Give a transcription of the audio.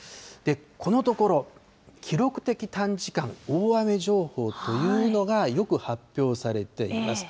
このところ、記録的短時間大雨情報というのがよく発表されています。